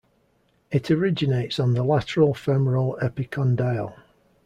It originates on the lateral femoral epicondyle.